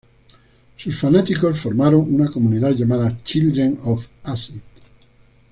Sus fanáticos formaron una comunidad llamada "Children of Acid".